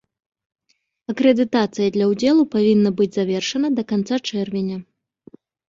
Акрэдытацыя для ўдзелу павінна быць завершана да канца чэрвеня.